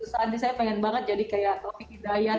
saat ini saya pengen banget jadi kayak taufik hidayat